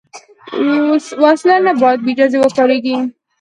وسله نه باید بېاجازه وکارېږي